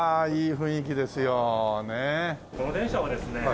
この電車はですね